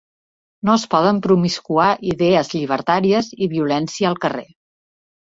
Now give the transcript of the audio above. No es poden promiscuar idees llibertàries i violència al carrer.